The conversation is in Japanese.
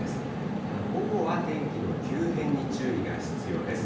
ただ午後は天気の急変に注意が必要です。